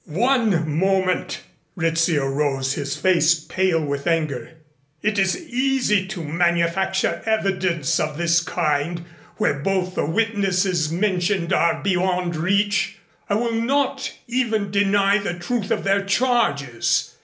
"One moment!" Rizzio rose, his face pale with anger. "It is easy to manufacture evidence of this kind, where both of the witnesses mentioned are beyond reach. I will not even deny the truth of their charges.